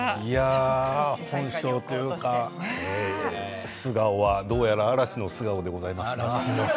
本性といいますか素顔はどうやら「嵐の素顔」でございます。